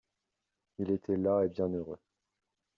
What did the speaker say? Il était las et bienheureux.